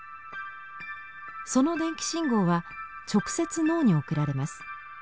その電気信号は直接脳に送られます。